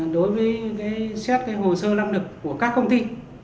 đối với xét hồ sơ năng lực của các công ty